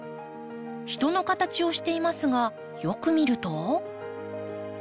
人の形をしていますがよく見ると。